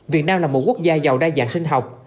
việt nam là một quốc gia giàu đa dạng sinh học